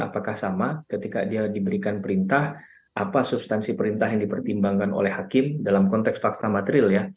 apakah sama ketika dia diberikan perintah apa substansi perintah yang dipertimbangkan oleh hakim dalam konteks fakta material ya